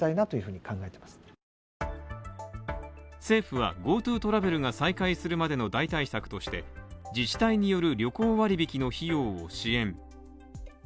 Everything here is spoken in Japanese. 政府はＧｏＴｏトラベルが再開するまでの代替策として、自治体による旅行割引の費用を支援。